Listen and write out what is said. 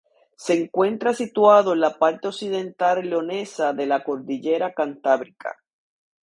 Se encuentra situado en la parte occidental leonesa de la Cordillera Cantábrica.